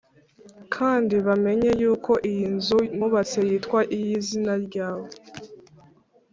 kandi bamenye yuko iyi nzu nubatse yitwa iy’izina ryawe